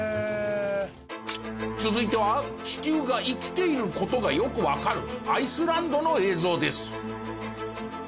続いては地球が生きている事がよくわかるアイスランドの映像です。